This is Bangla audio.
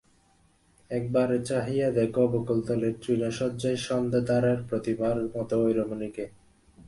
একবার চাহিয়া দেখো, বকুলতলের তৃণশয্যায় সন্ধ্যাতারার প্রতিমার মতো ঐ রমণী কে।